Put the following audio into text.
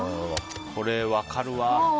これ、分かるわ。